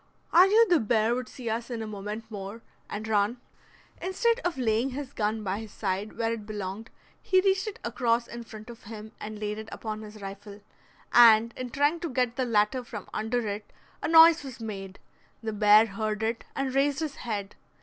I knew the bear would see us in a moment more, and run." Instead of laying his gun by his side, where it belonged, he reached it across in front of him and laid it upon his rifle, and in trying to get the latter from under it a noise was made; the bear heard it and raised his head.